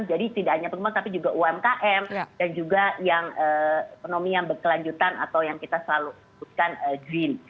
jadi tidak hanya perusahaan tapi juga umkm dan juga ekonomi yang berkelanjutan atau yang kita selalu sebutkan dream